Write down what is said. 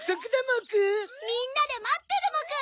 みんなでまってるモク！